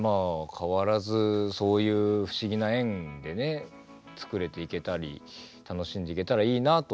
変わらずそういう不思議な縁でね作れていけたり楽しんでいけたらいいなとは思いますけど。